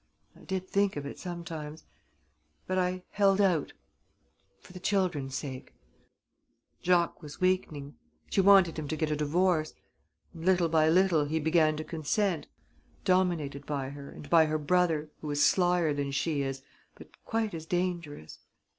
I did think of it sometimes, but I held out, for the children's sake ... Jacques was weakening. She wanted him to get a divorce ... and little by little he began to consent ... dominated by her and by her brother, who is slyer than she is, but quite as dangerous